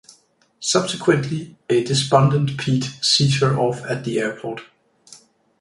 Subsequently, a despondent Pete sees her off at the airport.